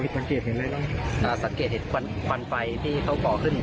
เห็นสังเกตเห็นอะไรสังเกตเห็นควันควันไฟที่เขากอขึ้น